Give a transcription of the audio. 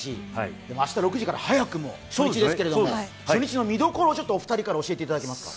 でも明日６時から早くも初日ですけれども、初日の見どころをお二人から教えていただけますか？